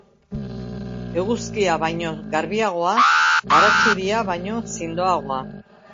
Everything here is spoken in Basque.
Eguzkia baino garbiagoa, baratxuria baino zindoagoa.